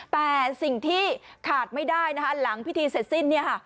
แต่สิ่งที่ขาดไม่ได้นะคะหลังพิธีเสร็จสิ้นเนี่ยค่ะ